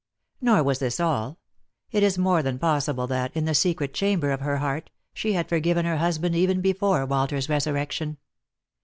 Nor was this all. It is more than possible that, in the secret chamber of her heart, she had forgiven her husband even before Walter's resurrection.